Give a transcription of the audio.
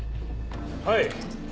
はい。